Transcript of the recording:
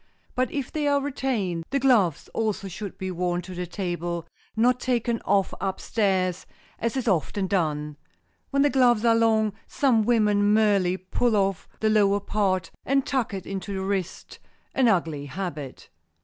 But if they are retained, the gloves also should be worn to the table, not taken off up stairs, as is often done. When the gloves are long, some women merely pull off the lower part and tuck it into the wrist, an ugly habit.